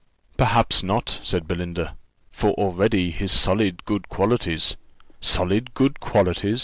"Perhaps not," said Belinda; "for already his solid good qualities " "Solid good qualities!"